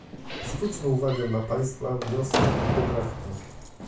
Zwrócimy uwagę na państwa wnioski i poprawki